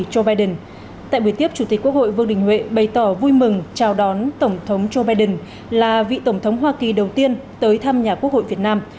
chủ tịch quốc hội vương đình huệ bày tỏ vui mừng chào đón tổng thống joe biden là vị tổng thống hoa kỳ đầu tiên tới thăm nhà quốc hội việt nam